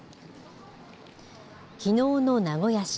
きのうの名古屋市。